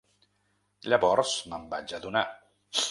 Llavors me'n vaig adonar.